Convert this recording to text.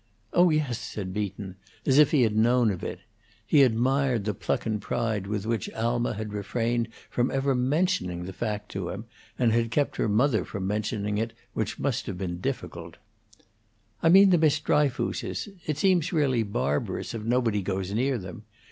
"Oh yes," said Beaton, as if he had known of it; he admired the pluck and pride with which Alma had refrained from ever mentioning the fact to him, and had kept her mother from mentioning it, which must have been difficult. "I mean the Miss Dryfooses. It seems really barbarous, if nobody goes near them.